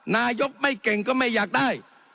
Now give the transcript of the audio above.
นายกไม่เก่งก็ไม่อยากได้